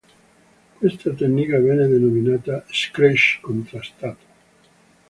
Questa tecnica venne denominata "stretch contrastato".